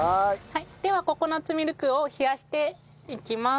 ではココナッツミルクを冷やしていきます。